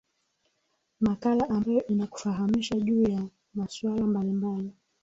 makala ambayo inakufahamisha juu ya masuala mbalimbali